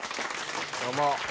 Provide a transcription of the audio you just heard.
どうも。